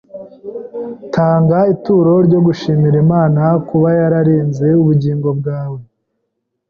Tanga ituro ryo gushimira Imana kuba yararinze ubugingo bwawe.